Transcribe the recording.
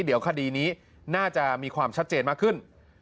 เดี๋ยวคดีนี้น่าจะมีความชัดเจนมากขึ้น